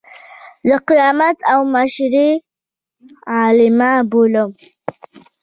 د قیامت او محشر علامه بولم.